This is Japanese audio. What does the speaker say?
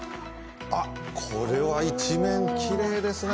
あっ、これは一面きれいですね。